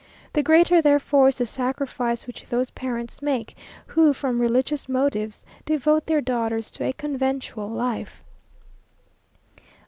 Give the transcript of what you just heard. The greater therefore is the sacrifice which those parents make, who from religious motives devote their daughters to a conventual life.